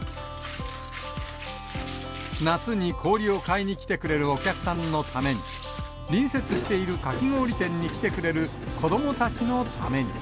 夏に氷を買いに来てくれるお客さんのために、隣接しているかき氷店に来てくれる子どもたちのために。